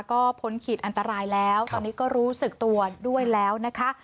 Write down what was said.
ก็พ้นขีดอันตรายแล้วตอนนี้ก็รู้สึกตัวด้วยแล้วนะคะ